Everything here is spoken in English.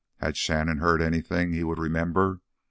Had Shannon heard anything he would remember?